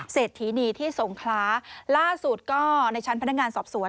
เศรษฐีนีที่สงคลาล่าสุดก็ในชั้นพนักงานสอบสวน